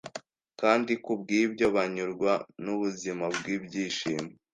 kandi kubwibyo banyurwa nubuzima bwibyishimo